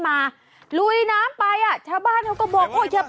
มันออกมาซะมั้ยดูพวกนี้ไงพ่อ